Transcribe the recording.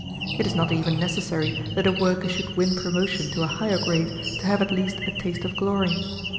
"It is not even necessary that a worker should win promotion to a higher grade to have at least a taste of glory.